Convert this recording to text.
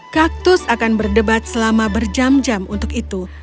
kaktus akan berdebat selama berjam jam untuk itu